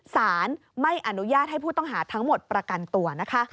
สารไม่อนุญาตให้ผู้ต้องหาทั้งหมดประกันตัวนะคะ